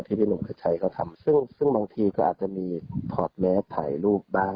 พี่หนุ่มขชัยเขาทำซึ่งบางทีก็อาจจะมีถอดแมสถ่ายรูปบ้าง